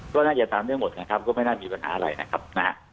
ก็น่าจะตามได้หมดนะครับก็ไม่น่ามีปัญหาอะไรนะครับนะฮะ